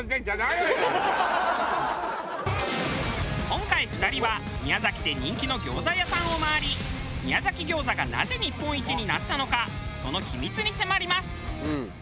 今回２人は宮崎で人気の餃子屋さんを回り宮崎餃子がなぜ日本一になったのかその秘密に迫ります！